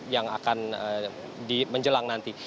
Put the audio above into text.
yang akan di menjelang nanti